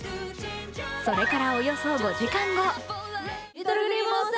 それからおよそ５時間後。